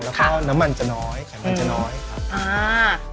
แล้วก็น้ำมันจะน้อยไขมันจะน้อยครับอ่า